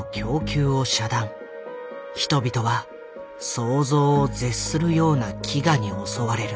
人々は想像を絶するような飢餓に襲われる。